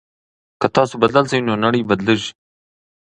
که تاسو بدل شئ نو نړۍ بدليږي.